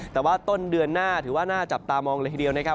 แต่ว่าต้นเดือนหน้าถือว่าน่าจับตามองเลยทีเดียวนะครับ